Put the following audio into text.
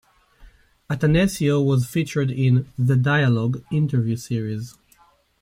Attanasio was featured in "The Dialogue" interview series.